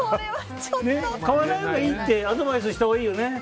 買わないほうがいいってアドバイスしたほうがいいよね